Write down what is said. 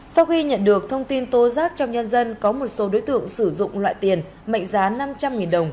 sau khi nhận được thông tin tố giác trong nhân dân có một số đối tượng sử dụng loại tiền mệnh giá năm trăm linh đồng